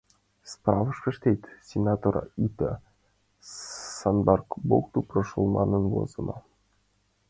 Справкыште «Сенаторов И.Т. санобработку прошёл» манын возымо.